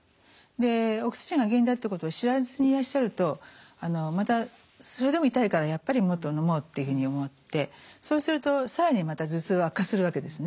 お薬が原因だってことを知らずにいらっしゃるとまたそれでも痛いからやっぱりもっとのもうっていうふうに思ってそうすると更にまた頭痛は悪化するわけですね。